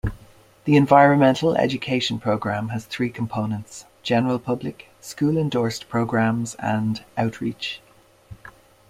The environmental education program has three components: general public, school-endorsed programs, and outreach.